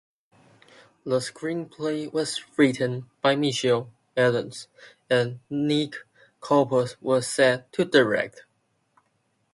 The screenplay was written by Michael Elias, and Nick Copus was set to direct.